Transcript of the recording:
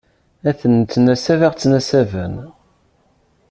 Ad tennettnasab, ad ɣ-ttnasaben.